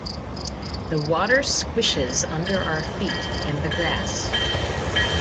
The water squishes under our feet in the grass.